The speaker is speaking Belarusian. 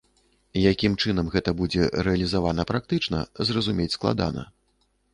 Якім чынам гэта будзе рэалізавана практычна, зразумець складана.